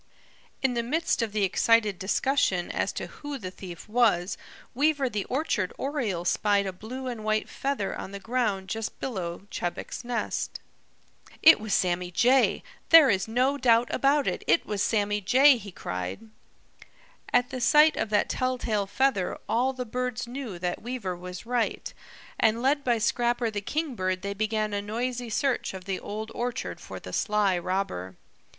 In the midst of the excited discussion as to who the thief was, Weaver the Orchard Oriole spied a blue and white feather on the ground just below Chebec's nest. "It was Sammy Jay! There is no doubt about it, it was Sammy Jay!" he cried. At the sight of that telltale feather all the birds knew that Weaver was right, and led by Scrapper the Kingbird they began a noisy search of the Old Orchard for the sly robber.